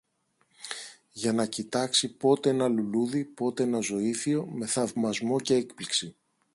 για να κοιτάξει πότε ένα λουλούδι, πότε ένα ζωύφιο, με θαυμασμό κι έκπληξη